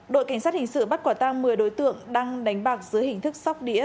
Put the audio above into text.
đội cảnh sát hình sự bắt quả tang một mươi đối tượng đang đánh bạc dưới hình thức sóc đĩa